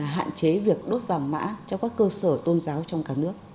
hạn chế việc đốt vàng mã cho các cơ sở tôn giáo trong cả nước